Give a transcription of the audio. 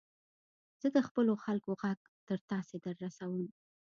زه د خپلو خلکو ږغ تر تاسي در رسوم.